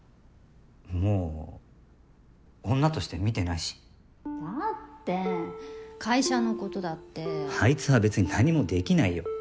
もう女として見てないしだって会社のことだってあいつは別に何もできないよ。